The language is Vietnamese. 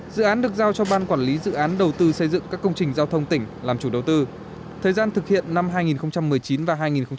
dự án được giao cho ban quản lý dự án đầu tư xây dựng các công trình giao thông tỉnh làm chủ đầu tư thời gian thực hiện năm hai nghìn một mươi chín và hai nghìn hai mươi